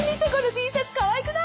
Ｔシャツかわいくない？